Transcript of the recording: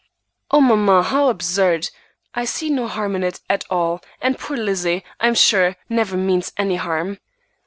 "O mamma, how absurd! I see no harm in it at all, and poor Lizzie, I am sure, never means any harm."